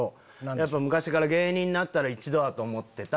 やっぱ昔から芸人になったら一度はと思ってた。